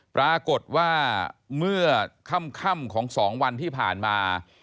ปรากฏว่าเมื่อค่ำของ๒วันที่ผ่านมา